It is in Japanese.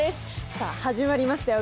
さあ始まりましたよ